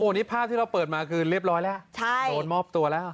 นี่ภาพที่เราเปิดมาคือเรียบร้อยแล้วโดนมอบตัวแล้ว